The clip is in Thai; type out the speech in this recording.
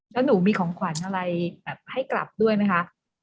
แล้วหนูมีของขวัญอะไรแบบให้กลับด้วยไหมคะ